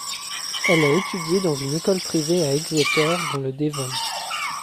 Elle a étudié dans une école privée à Exeter, dans le Devon.